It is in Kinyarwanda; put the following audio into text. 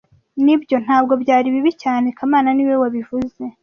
Nibyo, ntabwo byari bibi cyane kamana niwe wabivuze